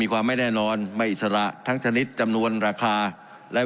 ความไม่แน่นอนไม่อิสระทั้งชนิดจำนวนราคาและ